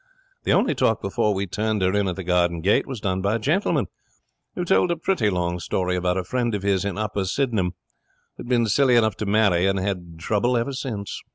The only talk before we turned her in at the garden gate was done by Gentleman, who told a pretty long story about a friend of his in Upper Sydenham who had been silly enough to marry, and had had trouble ever since.